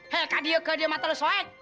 hei kadiu kadiu mata lu soek